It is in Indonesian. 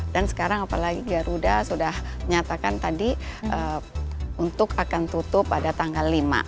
dan sekarang apalagi garuda sudah menyatakan tadi untuk akan tutup pada tanggal lima